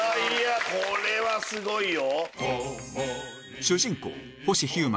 これはすごいよ！